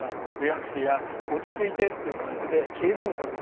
落ち着いてっていう感じで。